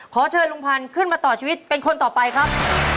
ขอเชิญลุงพันธ์ขึ้นมาต่อชีวิตเป็นคนต่อไปครับ